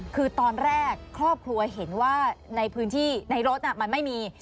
คือตอนแรกครอบครัวเห็นว่าในพื้นที่ในรถมันไม่มี